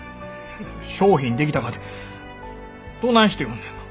商品出来たかてどないして売んねんな。